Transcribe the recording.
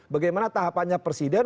bagaimana tahapannya presiden